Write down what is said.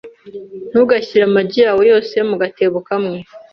Ntugashyire amagi yawe yose mu gatebo kamwe .